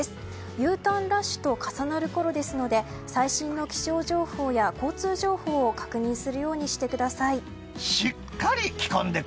Ｕターンラッシュと重なるころですので最新の気象情報や交通情報を確認するようにしてください。